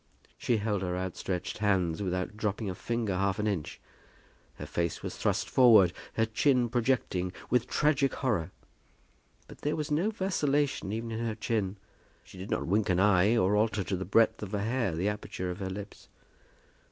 She held her outstretched hands without dropping a finger half an inch. Her face was thrust forward, her chin projecting, with tragic horror; but there was no vacillation even in her chin. She did not wink an eye, or alter to the breadth of a hair the aperture of her lips.